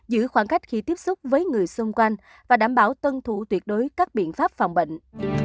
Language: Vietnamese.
giữ khoảng cách khi tiếp xúc với người xung quanh và đảm bảo tuân thủ tuyệt đối các biện pháp phòng bệnh